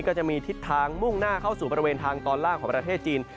ก็จะมีทิศทางมุ่งหน้าเข้าสู่บริเวณทางตอนล่างของประเทศจีน